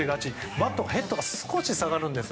バットのヘッドが少し下がるんです。